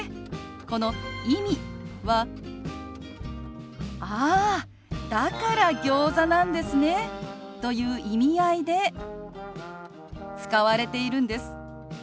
この「意味」は「あーだからギョーザなんですね」という意味合いで使われているんです。